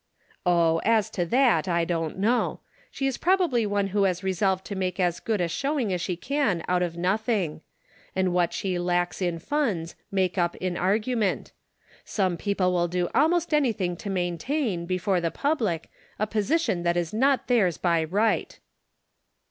" Oh, as to that, I don't know ; she is prob ably one who has resolved to make as good a showing as she can out of nothing ; and what she lacks in funds, make up in argument. Some people will do almost anything to main tain, before the public, a position that is not theirs by right."